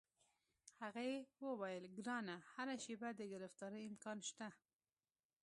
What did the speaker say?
هغې وویل: ګرانه، هره شیبه د ګرفتارۍ امکان شته.